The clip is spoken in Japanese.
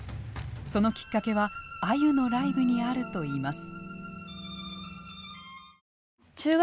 そのきっかけはあゆのライブにあるといいます。